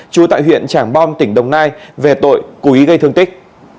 trú tại huyện trảng bom tỉnh đồng nai về tội cú ý gây thương tích